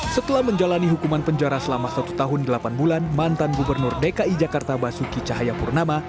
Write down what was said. setelah menjalani hukuman penjara selama satu tahun delapan bulan mantan gubernur dki jakarta basuki cahayapurnama